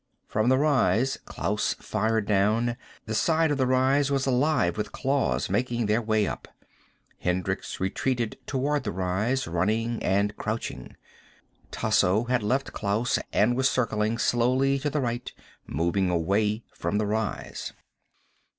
From the rise, Klaus fired down. The side of the rise was alive with claws making their way up. Hendricks retreated toward the rise, running and crouching. Tasso had left Klaus and was circling slowly to the right, moving away from the rise.